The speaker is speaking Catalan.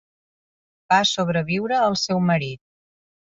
Va sobreviure al seu marit.